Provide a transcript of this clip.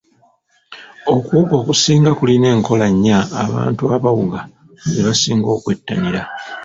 Okuwuga okusinga kulina enkola nnya abantu abawuga ze basinga okwettanira.